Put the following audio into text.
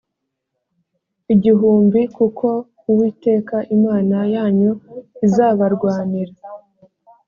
igihumbi kuko uwiteka imana yanyu izabarwanira